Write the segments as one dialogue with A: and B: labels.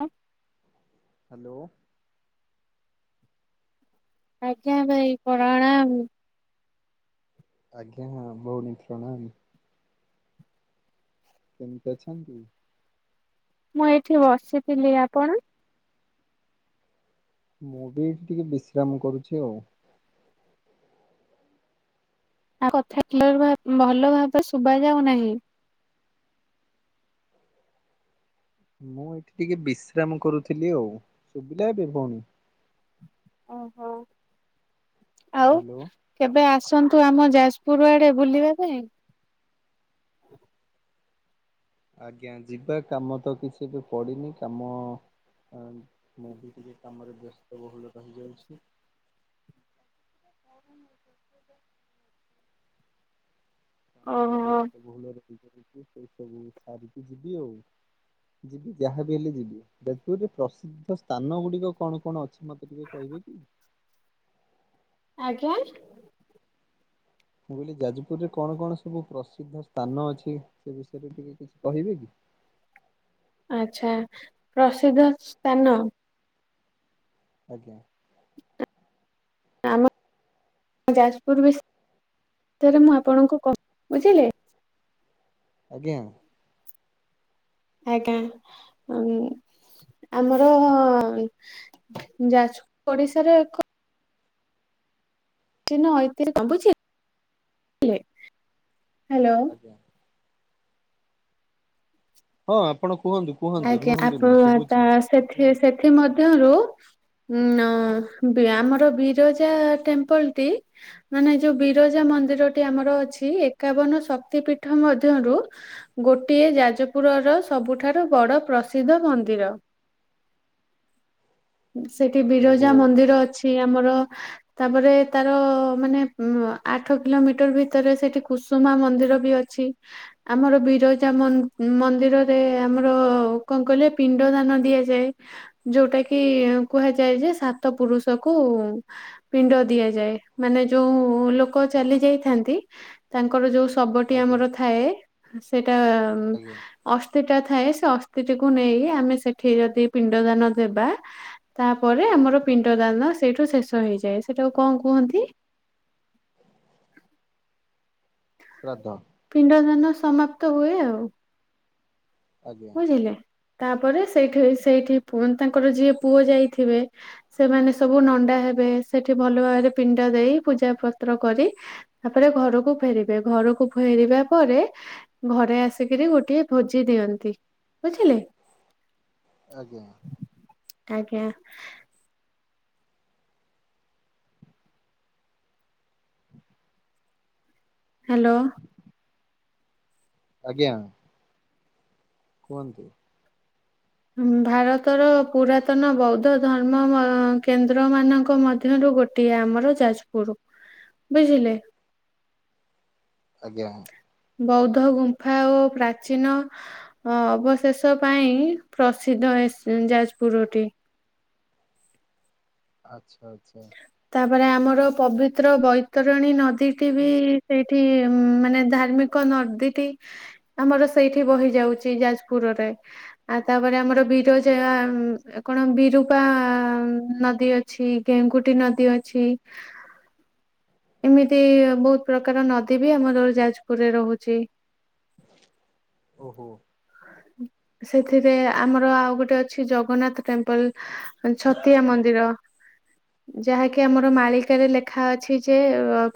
A: ହ
B: ହାଲୋ।
A: ଆଜ୍ଞା ଭାଇ ପ୍ରଣାମ।
B: ଆଜ୍ଞା ହଁ ଭଉଣି ପ୍ରଣାମ। କେମିତି ଅଛନ୍ତି?
A: ମୁଁ ଏଇଠି ବସିଥିଲି ଆପଣ?
B: ମୁଁ ବି ଟିକେ ବିଶ୍ରାମ କରୁଛି ଆଉ।
A: ଆପ କଥା କ୍ଲିଅର ଭାବେ ଭଲ ଭାବରେ ଶୁଭା ଯାଉ ନାହିଁ।
B: ମୁଁ ଏଠି ଟିକେ ବିଶ୍ରାମ କରୁଥିଲି ଆଉ ଶୁଭିଲା ଏବେ ଭଉଣୀ।
A: ଓହୋ ଆଉ।
B: ହ୍ୟାଲୋ।
A: କେବେ ଆସନ୍ତୁ ଆମ ଯାଜପୁର ଆଡେ ବୁଲିବା ପାଇଁ।
B: ଆଜ୍ଞା ଯିବା କାମ ତ କିଛି ଏବେ ପଡିନି କାମ ମୁଁ ବି ଟିକେ କାମରେ ବ୍ୟସ୍ତବହୁଳ ରହିଯାଉଛି। ହଉ। କାମରେ
A: ଓହୋ
B: ବ୍ୟସ୍ତ ବହୁଳରହିଯାଉଛଛି ସେଇ ସବୁ ସାରିକି ଯିବି ଆଉ। ଯିବି ଯାହାବି ହେଲେ ଯିବି ଯଜପୁରରେ ପ୍ରସିଦ୍ଧ ସ୍ଥାନ ଗୁଡିକ କଣ କଣ ଅଛି ମତେ ଟିକେ କଇବେ କି?
A: ଆଜ୍ଞା।
B: ମୁଁ କହିଲି ଯାଜପୁରରେ କଣ କଣ ସବୁ ପ୍ରସିଦ୍ଧ ସ୍ଥାନ ଅଛି ସେ ବିଷୟରେ ଟିକେ କିଛି କହିବେ କି?
A: ଆଚ୍ଛା ପ୍ରସିଦ୍ଧ ସ୍ଥାନ।
B: ଆଜ୍ଞା।
A: ଆମ ଯାଜପୁର ବିଶୟରେ ମୁଁ ଆପଣଙ୍କୁ କ ବୁଝିଲେ।
B: ଆଜ୍ଞା।
A: ଆଜ୍ଞା ଉଁ ଆମର ଯାଜ ଓଡିଶାର ଏକ ଚିହ୍ନ ଐତହାସିକ [unintelligible] ଲେ ହାଲୋ।
B: ଆଜ୍ଞା। ହଁ ଆପଣ କୁହନ୍ତୁ। କୁହନ୍ତୁ
A: ଆଜ୍ଞା
B: ରୁହନ୍ତୁନି
A: ଆପଣ
B: ଶୁଭୁଛି
A: ତା
B: ମତେ ଆପଣ
A: ସେଥି
B: କୁହନ୍ତୁ
A: ସେଥି
B: ଆରାମସେ
A: ମଧ୍ୟରୁ ଉଁ ଅ ଆମର ବିରଜା ଟେମ୍ପଲ ଟି ମାନେ ଏ ଯୋଉ ବିରଜା ମନ୍ଦିରଟି ଆମର ଅଛି ଏକାବନ ଶକ୍ତି ପୀଠ ମଧ୍ୟରୁ ଗୋଟିଏ ଯାଜପୁର ର ସବୁଠା ରୁ ବଡ଼ ପ୍ରସିଦ୍ଧ ମନ୍ଦିର। ସେଠି
B: ଓହୋ
A: ବିରଜା ମନ୍ଦିର ଅଛି
B: ଆଚ୍ଛା
A: ଆମର। ତାପରେ ତାର ମାନେ ଉଁ ଆଠ କିଲୋମିଟର ଭିତରେ ସେଇଠି କୁସୁମା ମନ୍ଦିର ବି ଅଛି। ଆମର ବିରଜା ମ ମନ୍ଦିରରେ ଆମର କଣ କହିଲେ ପିଣ୍ଡ ଦାନ ଦିଆଯାଏ। ଯୋଉଟା କି କୁହାଯାଏ ଯେ ସାତ ପୁରୁଷ କୁ ପିଣ୍ଡ ଦିଆଯାଏ ମାନେ ଯୋଉ ଲୋକ ଚାଲି ଯାଇଥାନ୍ତି। ତାଙ୍କର ଯୋଉ ଶବଟି
B: ଆଜ୍ଞା
A: ଆମର ଥାଏ ସେଇଟା ଉଁ
B: ଆଜ୍ଞା
A: ଅଷ୍ ଅସ୍ଥି ଟା ଥାଏ ସେ ଅସ୍ଥିଟିକୁ ନେଇକି ଆମେ ସେଠି ଯଦି ପିଣ୍ଡ ଦାନ ଦେବା। ତାପରେ ଆମର ପିଣ୍ଡ ଦାନ ସେଇଠୁ ଶେଷ ହେଇଯାଏ ସେଇଟାକୁ କଣ କୁହନ୍ତି?
B: [inaudible] ଶ୍ରାଦ୍ଧ।
A: ପିଣ୍ଡ ଦାନ ସମାପ୍ତ ହୁଏ ଆଉ।
B: ଆଜ୍ଞା
A: ବୁଝିଲେ ତାପରେ ସେଇଠି ସେଇଠି ପୁ ତାଙ୍କର ଯିଏ ପୁଅ ଯାଇଥିବେ। ସେମାନେ ସବୁ ନଣ୍ଡା ହେବେ ସେଠି ଭଲ ଭାବରେ ପିଣ୍ଡ ଦେଇ ପୂଜା ପତ୍ର କରି ତାପରେ ଘରକୁ ଫେରିବେ ଘରକୁ ଫେରିବା ପରେ। ଘରେ ଆସିକିରି ଗୋଟିଏ ଭୋଜି ଦିଅନ୍ତି। ବୁଝିଲେ।
B: ଆଜ୍ଞା।
A: ଆଜ୍ଞା।
B: [inaudible]
A: ହ୍ୟାଲୋ।
B: ଆଜ୍ଞା କୁହନ୍ତୁ।
A: ଉଁ ଭାରତର ପୁରାତନ ବୌଦ୍ଧ ଧର୍ମ ମ କେନ୍ଦ୍ର ମାନଙ୍କ ମଧ୍ୟରୁ ଗୋ ଗୋଟିଏ ଆମର ଯାଜପୁର ବୁଝିଲେ।
B: ଆଜ୍ଞା।
A: ବୌଦ୍ଧ ଗୁମ୍ଫା ଓ ପ୍ରାଚୀନ ଅ ଅବଶେଷ ପାଇଁ ପ୍ରସିଦ୍ଧ ଏ ସ ଯାଜପୁରଟି।
B: ଆଚ୍ଛା ଆଚ୍ଛା।
A: ତାପରେ ଆମର ପବିତ୍ର ବୈତରଣୀ ନଦୀଟି ବି ସେଇଠି ଉଁ ମାନେ ଧାର୍ମି କ ନଦୀଟି ଆମର ସେଇଠି ବହି ଯାଉଛି ଯାଜପୁରରେ। ଆଉ ତାପରେ ଆମର ବିରଜା ଉଁ କଣ ବିରୁପା ନଦୀ ଅଛି। ଗେଙ୍ଗୁଟି ନଦୀ ଅଛି। ଏମିତି ବହୁତ ପ୍ରକାର ନଦୀ ବି ଆମର ଯାଜପୁରରେ ରହୁଛି।
B: ଓହୋ।
A: ସେଥିରେ ଆମର ଆଉ ଗୋଟେ ଅଛି ଜଗନ୍ନାଥ ଟେମ୍ପଲ। ଛତିଆ ମନ୍ଦିର। ଯାହାକି ଆମର ମାଳିକାରେ ଲେଖାଅଛି ଯେ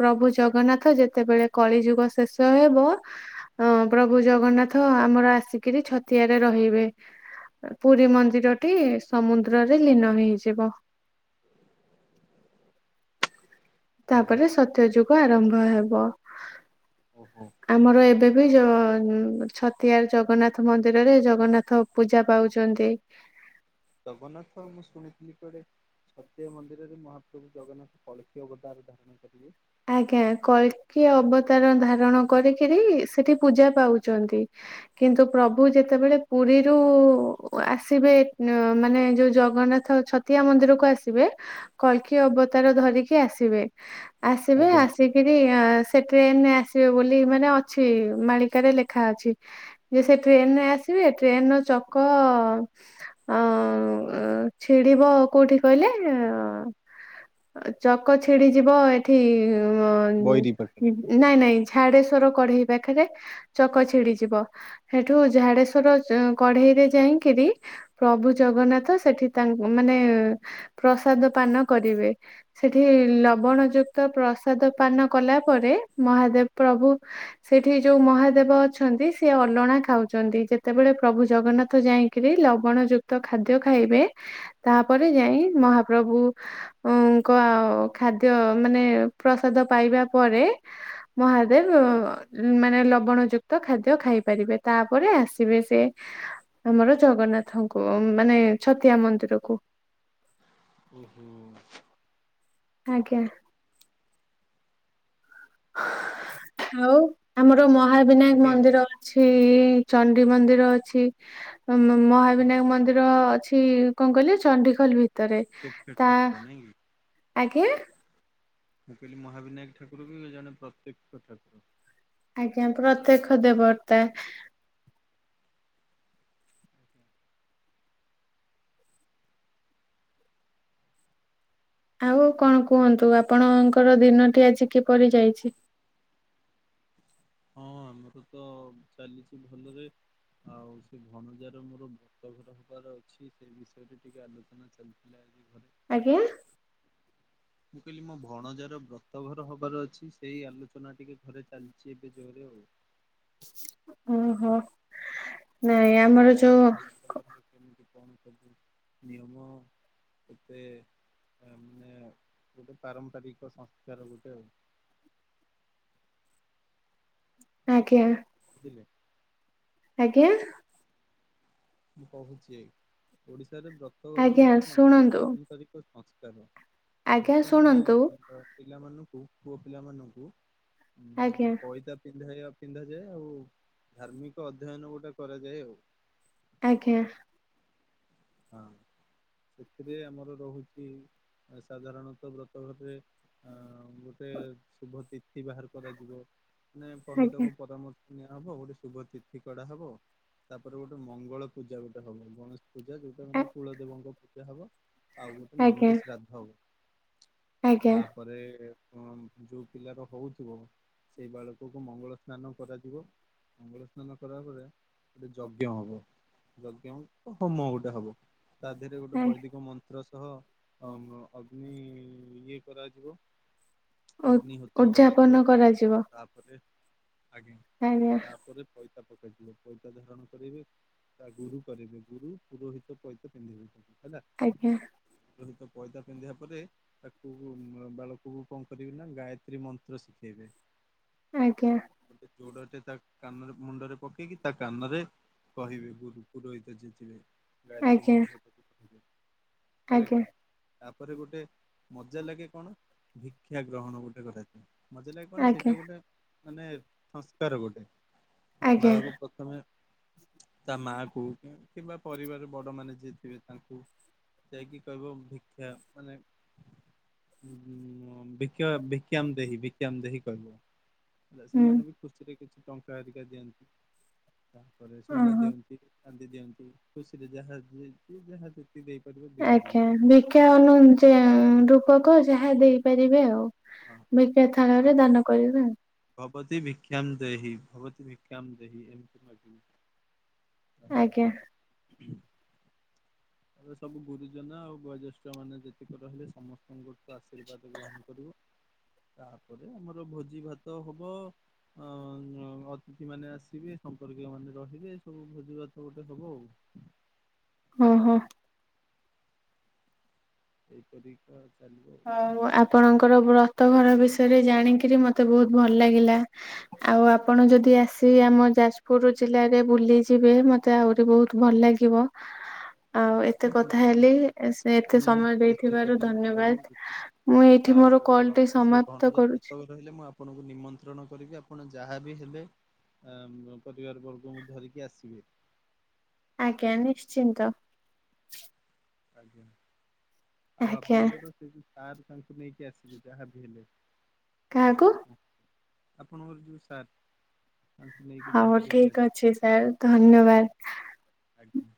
A: ପ୍ରଭୁ ଜଗନ୍ନାଥ ଯେତେବେଳେ କଳିଯୁଗ ଶେଷ ହେବ ଅ ପ୍ରଭୁ ଜଗନ୍ନାଥ ଆମର ଆସିକି ରି ଛତିଆରେ ରହିବେ। ପୁରୀ ମନ୍ଦିରଟି ସମୁଦ୍ରରେ ଲୀନ ହେଇଯିବ।
B: ଆଜ୍ଞା
A: ତାପରେ ସତ୍ୟଯୁଗ ଆରମ୍ଭ ହେବ।
B: ଓହୋ।
A: ଆମର ଏବେ ବି ଯୋ ଛତିଆର ଜଗନ୍ନାଥ ମନ୍ଦିରରେ ଜଗନ୍ନାଥ ପୂଜା ପାଉଛନ୍ତି।
B: ଜଗନ୍ନାଥ ମୁଁ ଶୁଣିଥିଲି କୁଆଡେ ସତ୍ୟ ମନ୍ଦିରରେ ମହାପ୍ରଭୁ ଜଗନ୍ନାଥ କଳ୍କୀ ଅବତାର ଧାରଣ କରିବେ।
A: ଆଜ୍ଞା କଳ୍କି ଅବତାର ଧାରଣ କରିକିରି ସେଠି ପୂଜା ପାଉଛନ୍ତି। କିନ୍ତୁ ପ୍ରଭୁ ଯେତେବେଳେ ପୁରୀରୁ ଆସିବେ ମାନେ ଯୋଉ ଜଗନ୍ନାଥ ଛତିଆ ମନ୍ଦିରକୁ ଆସିବେ କଳ୍କି ଅବତାର ଧରିକି ଆସିବେ। ଆସିବେ
B: ଆଜ୍ଞା
A: ଆସି କିରି ସେ ଟ୍ରେନରେ ଆସିବେ ବୋଲି ମାନେ ଅଛି ମାଳିକାରେ ଲେଖା ଅଛି। ଯେ ସେ ଟ୍ରେନରେ ଆସିବେ ଟ୍ରେନର ଚକ ଅ ଛିଡିବ କୋଉଠି କହିଲେ? ଚକ ଛିଡି ଯିବ ଏଠି
B: ବୈରୀ ପାଖରେ
A: ନାଇଁ ନାଇଁ ଝାଡେଶ୍ଵର କଢେଇ ପାଖରେ ଚକ ଛିଡିଯିବ। ହେଠୁ ଝାଡେଶ୍ଵର କଢେଇ ରେ ଯାଇକିରି ପ୍ରଭୁ ଜଗନ୍ନାଥ ସେଠି ତା ମାନେ ପ୍ରସାଦ ପାନ କରିବେ। ସେଠି ଲବଣ ଯୁକ୍ତ ପ୍ରସାଦ ପାନ କଲା ପରେ ମହାଦେବ ପ୍ରଭୁ ସେଠି ଯୋଉ ମହାଦେବ ଅଛନ୍ତି ସେ ଅଲଣା ଖାଉଛନ୍ତି ଯେତେବେଳେ ପ୍ରଭୁ ଜଗନ୍ନାଥ ଯାଇ ଖିରି ଲବଣ ଯୁକ୍ତ ଖାଦ୍ୟ ଖାଇବେ। ତାପରେ ଯାଇ ମହାପ୍ରଭୁଙ୍କ ଖାଦ୍ୟ ମାନେ ପ୍ରସାଦ ପାଇବା ପରେ ମହାଦେବ ମାନେ ଲବଣ ଯୁକ୍ତ ଖାଦ୍ୟ ଖାଇପାରିବେ ତାପରେ ଆସିବେ ସେ। ଆମର ଜଗନ୍ନାଥଙ୍କୁ ମାନେ ଛତିଆ ମନ୍ଦିରକୁ।
B: ଓ ହୋ।
A: ଆଜ୍ଞା। ଆଉ ଆମର ମହାବିନାୟକ
B: ଆଜ୍ଞା
A: ମନ୍ଦିର ଅଛି ଚଣ୍ଡୀ ମନ୍ଦିର ଅଛି ମହାବିନାୟକ
B: ହଁ
A: ମନ୍ଦିର ଅଛି‌। କଣ କହିଲେ ଚଣ୍ଡିଖୋଲ ଭିତରେ।
B: ପ୍ରତ୍ୟକ୍ଷ
A: ତା
B: ଠାକୁର ନାଇଁ କି
A: ଆଜ୍ଞା।
B: ମୁଁ କହିଲି ମହାବିନାୟକ ଠାକୁର ବି ଜଣେ ପ୍ରତ୍ୟକ୍ଷ ଠାକୁର।
A: ଆଜ୍ଞା ପ୍ରତ୍ୟକ୍ଷ ଦେବତା। ଆଉ କଣ କୁହନ୍ତୁ ଆପଣଙ୍କର ଦିନଟି ଆଜି କିପରି ଯାଇଛି?
B: ହଁ ଆମର ତ ଚାଲିଛି ଭଲରେ ଆଉ ସେ ଭଣଜାର ମୋର [unintelligible] [unintelligible] ଅଛି ସେ ବିଷୟରେ ଟିକେ ଆଲୋଚନା ଚାଲିଥିଲା ଆଜି ଘରେ।
A: ଆଜ୍ଞା?
B: ମୁଁ କହିଲି ମୋ ଭଣଜାର ବ୍ରତଘର ହବାର ଅଛି ସେହି ଆଲୋଚନା ଟିକେ ଘରେ ଚାଲିଚି ଏବେ ଜୋରେ ଆଉ।
A: ଓହୋ ନାଇଁ ଆମର ଯୋଉ
B: ଜାଣିଥିବୁ ବ୍ରତଘରରେ କେମିତି କଣ ସବୁ ନିୟମ? ଏବେ ମାନେ ଗୋଟେ ପାରମ୍ପରିକ ସଂସ୍କାର ଗୋଟେ ଆଉ।
A: ଆଜ୍ଞା।
B: ବୁଝିଲେ।
A: ଆଜ୍ଞା।
B: ମୁଁ କହୁଛି ଓଡିଶାରେ ବ୍ରତଘର
A: ଆଜ୍ଞା
B: ହଉଛି କଣ ଗୋଟେ
A: ଶୁଣନ୍ତୁ
B: ପାର ପରିକ ସଂସ୍କାର
A: ଆଜ୍ଞା
B: ସେଥିରେ ମାନେ
A: ଶୁଣନ୍ତୁ
B: ପିଲାମାନଙ୍କୁ ପୁଅ ପିଲାମାନଙ୍କୁ
A: ଆଜ୍ଞା
B: ଉଁ ପଇତା ପିନ୍ଧାଇବା ପିନ୍ଧାଯାଏ ଆଉ ଧାର୍ମିକ ଅଧ୍ୟୟନ ଗୋଟେ କରାଯାଏ ଆଉ।
A: ଆଜ୍ଞା।
B: ହଁ ସେଥିରେ ଆମର ରହୁଛି ସାଧାରଣତଃ ବ୍ରତ ଘରରେ ଅ ଗୋଟେ ଶୁଭ ତିର୍ଥି ବାହାର କରାଯିବ ମାନେ
A: ଆଜ୍ଞା
B: ପଣ୍ଡିତଙ୍କ ପରାମର୍ଶ ଆ ହବ ଗୋଟେ ଶୁଭ ତିଥି କଢ଼ା ହବ ତାପରେ ଗୋଟେ ମଙ୍ଗଳ ପୂଜା ଗୋଟେ ହବ ଗଣେଶ୍ ପୂଜା ଯୋଉଟା
A: ଆ
B: ମାନେ କୁଳଦେବଙ୍କ ପୂଜା ହବ ଆଉ ଗୋଟେ
A: ଆଜ୍ଞା
B: ନନ୍ଦି ଶ୍ରାଦ୍ଧ ହବ।
A: ଆଜ୍ଞା।
B: ପରେ ଯଉ ପିଲାର ହଉଥିବ ସେଇ ବାଳକକୁ ମଙ୍ଗଳ ସ୍ନାନ କରାଯିବ ମଙ୍ଗଳ ସ୍ନାନ କଲା ପରେ ଗୋଟେ ଯଜ୍ଞ ହବ। ଯଜ୍ଞ ହେବ ହୋମ ଗୋଟେ ହବ ତା ଦେହରେ ଗୋଟେ
A: ଆ
B: ବୈଦିକ ମନ୍ତ୍ର ତହ ଅଗ୍ନି ଇଏ କରାଯିବ।
A: ଉ
B: ଅଗ୍ନିହୋତ୍ର କରାଯିବ
A: ଉଦ୍ଯାପନ କରାଯିବ
B: ତା ପରେ ଆଜ୍ଞା
A: ଆଜ୍ଞା
B: ତାପରେ ପଇତା ପକେଯିବ ପଇତା ଧାରଣ କରିବେ। ତା ଗୁରୁ କରିବେ ଗୁରୁ ପୁରୋହିତ ପଇତା ପିନ୍ଧିବେ ହେଲା।
A: ଆଜ୍ଞା
B: ପୁରୋହିତ ପଇତା ପିନ୍ଧିବା ପରେ। ତାକୁ ବାଳକକୁ କଣ କରିବେ ନା ଗାୟତ୍ରୀ ମନ୍ତ୍ର ଶିଖେଇବେ।
A: ଆଜ୍ଞା।
B: ଗୋଟେ ଯୋଡ଼ଟେ ତା କାନରେ ମୁଣ୍ଡରେ ପକେଇକି ତା କାନରେ କହିବେ ଗୁରୁ ପୁରୋହିତ ଯିଏଥିଲେ ଗାୟତ୍ରୀ
A: ଆଜ୍ଞା
B: ମନ୍ତ୍ର ଜପ [inaudible]
A: ଆଜ୍ଞା।
B: ତାପରେ ଗୋଟେ। ମଜା ଲାଗେ କଣ ଭିକ୍ଷା ଗ୍ରହଣ ଗୋଟେ କରାଯଏ ମଜା ଲାଗେ କଣେ
A: ଆଜ୍ଞା
B: ସେଇଟା ଗୋଟେ ମାନେ ସଂସ୍କାର ଗୋଟେ
A: ଆଜ୍ଞା
B: ବାଳକକୁ ପ୍ରଥମେ ତା ମା କୁ କିମ୍ବା ପରିବାର ରେ ବଡ଼ ମାନେ ଯିଏ ଥିବେ ତାଙ୍କୁ ଯାଇକି କହିବ ଭିକ୍ଷା ମାନେ ଭିକ୍ଷା ଭିକ୍ଷାମ୍ଦେହି ଭିକ୍ଷାମ୍ଦେହି କହିବ। ହେଲା
A: ହୁଁ
B: ସେମାନେ ବି ଖୁସିରେ କିଛି ଟଙ୍କା ହେରିକା ଦିଅନ୍ତି ତାପରେ ସୁନା
A: ଓହୋ
B: ଦିଅନ୍ତି। [inaudible] ଦି ଦିଅନ୍ତି ଖୁସିରେ ଯାହା ଯିଏ ଯାହା ଦେଇ ପାରିବ
A: ଆଜ୍ଞା ଭିକ୍ଷ୍ୟା ଅନୁ ରୂପକ ଯାହା ଦେଇପାରିବେ ଆଉ।
B: ହଁ
A: ଭିକ୍ଷା ଥାଳରେ ଦାନ କରିବେ ଆଉ
B: ଭବତି ଭିଷାମ୍ଦେହି ଭବତି ଭିକ୍ଷାମ୍ଦେହି ଏମତି ମାଗିବେ
A: ଆଜ୍ଞା
B: ତାପରେ ଉଁ ହୁଁ ତାପରେ ସବୁ ଗୁରୁଜନ ଆଉ ଗୁଆଜ୍ୟେଷ୍ଠ ମାନେ ଯେତିକି ରହିଲେ ସମସ୍ତଙ୍କୁ ଗୋଟେ ଆଶୀର୍ବାଦ ଗ୍ରହଣ କରିବ ତାପରେ ଆମର ଭୋଜି ଭାତ ହବ। ଅଁ ଅତିଥି ମାନେ ଆସିବେ ସମ୍ପର୍କୀୟ ମାନେ ରହିବେ ସବୁ ଭୋଜିଭାତ ଗୋଟେ ହବ ଆଉ।
A: ହୁଁ ହୁଁ।
B: ଏଇପରିିକା ଚାଲିବ ଆଉ
A: ହଉ ଆପଣଙ୍କର ବ୍ରତ ଘର ବିଷୟରେ ଜାଣିକିରି ମତେ ବହୁତ୍ ଭଲ ଲାଗିଲା। ଆଉ ଆପଣ ଯଦି ଆସି ଆମ ଯାଜପୁରୁ ଜିଲ୍ଲାରେ ବୁଲିଯିବେ ମତେ ମତେ ଆହୁରି ବହୁତ୍ ଭଲ ଲାଗିବ। ଆଉ ଏତେ
B: ହଁ
A: କଥା ହେଲି ସେ ଏତେ
B: ନିହାତି
A: ସମୟ
B: ଚେଷ୍ଟା
A: ଦେଇଥିବାରୁ
B: କରିବି
A: ଧନ୍ୟବାଦ୍।
B: ଯିବାକୁ।
A: ମୁଁ ଏଇଠି
B: ଆଉ
A: ମୋର କଲ୍ ଟି
B: ଆପଣ ସେ
A: ସମାପ୍ତ
B: ଭଣଜା
A: କରୁଛି।
B: ବ୍ରତଘର ରହିଲେ ମୁଁ ଆପଣଙ୍କୁ ନିମନ୍ତ୍ରଣ କରିବି ଆପଣ ଯାହାବି ହେଲେ। ଆଁ ପରିବାର ବର୍ଗଙ୍କୁ ଧରିକି ଆସିବେ।
A: ଆଜ୍ଞା ନିଶ୍ଚିନ୍ତ।
B: ଆଜ୍ଞା ଆଉ
A: ଆଜ୍ଞା
B: ଆପଣଙ୍କର ସେ କିଛି ସାର୍ ତାଙ୍କୁ ନେଇକି ଆସିବେ ଯାହାବି ହେଲେ
A: କାହାକୁ
B: ଆସିବି କ [inaudible] ଆପଣଙ୍କର ଯୋଉ ସାର୍। ତାଙ୍କୁ ନେଇକି
A: ହଉ
B: ଯାହାବି ହେଲେ
A: ଠିକ୍ ଅଛି ସାର୍ ଧନ୍ୟବାଦ୍
B: ଆଜ୍ଞା।